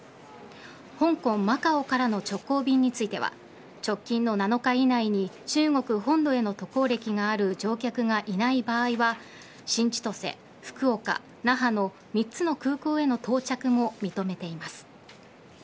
香港、マカオからの直行便については直近の７日以内に中国本土への渡航歴がある乗客がいない場合は新千歳、福岡、那覇の３つの空港への到着も認めています。